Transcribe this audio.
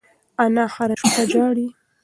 انا هره شپه ژاړي.